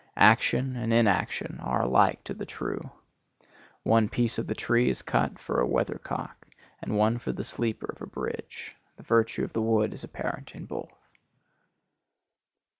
Action and inaction are alike to the true. One piece of the tree is cut for a weathercock and one for the sleeper of a bridge; the virtue of the wood is apparent in both.